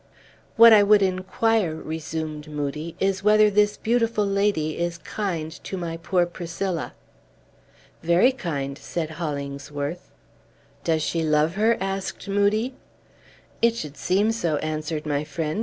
"What I would inquire," resumed Moodie, "is whether this beautiful lady is kind to my poor Priscilla." "Very kind," said Hollingsworth. "Does she love her?" asked Moodie. "It should seem so," answered my friend.